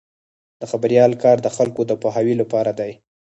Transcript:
د خبریال کار د خلکو د پوهاوي لپاره دی.